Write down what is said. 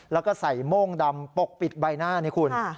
แล้วก็ใส่โม่งดำปกปิดใบหน้านี่คุณ